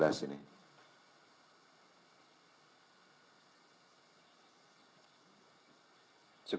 cukup rekan rekan cukup ya